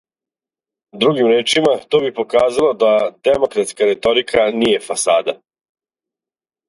Другим ријечима, то би показало да демократска реторика није фасада.